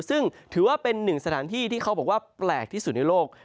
ซึ่งถือว่าเป็นหนึ่งสถานที่ที่เขาบอกว่าแปลกที่สุดในโลก